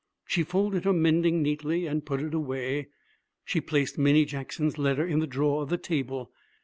She folded her mending neatly and put it away. She placed Minnie Jackson's letter in the drawer of the table.